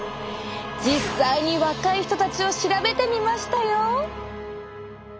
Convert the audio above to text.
実際に若い人たちを調べてみましたよ。